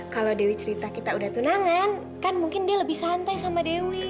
kalau dewi cerita kita udah tunangan kan mungkin dia lebih santai sama dewi